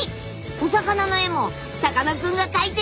お魚の絵もさかなクンが描いてるんだよ！